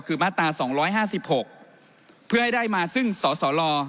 คือมาตรา๒๕๖เพื่อให้ได้มาซึ่งสสล